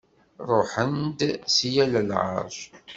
Ṛuḥen-d si yal lɛeṛc.